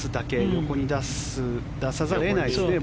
横に出さざるを得ないですね。